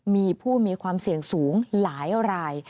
มีผู้มีความเสี่ยงสูงหลายราย